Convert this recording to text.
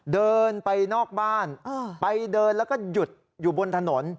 เดินไปนอกบ้านไปเดินแล้วก็หยุดอยู่บนถนน